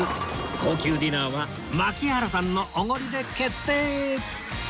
高級ディナーは槙原さんのおごりで決定！